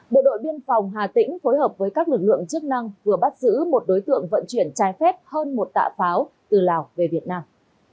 bộ đội biên phòng hà tĩnh phối hợp với các lực lượng chức năng vừa bắt giữ một đối tượng vận chuyển trái phép hơn một tạ pháo từ lào về việt nam